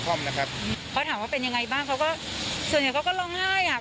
เขาถามว่าเป็นยังไงบ้างตอนนี้เขาก็ร้องไห้ค่ะ